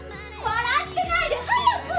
笑ってないで早く！